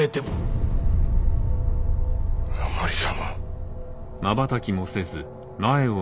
甘利様。